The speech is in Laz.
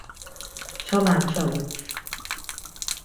Nçala nçalups.